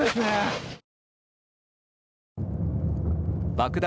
爆弾